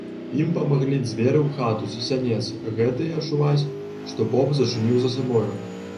Ім памаглі дзверы ў хату з сянец, гэтыя чуваць, што поп зачыніў за сабою.